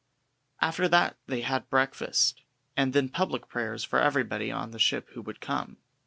After that they had breakfast, and then public prayers for everybody on the ship who would come.